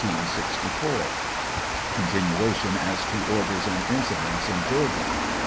(Continuation as to orders and incidents in Georgia.)